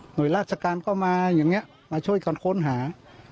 โดยราชการก็มาอย่างนี้มาช่วยกันค้นหา